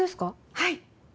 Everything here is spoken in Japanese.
はい。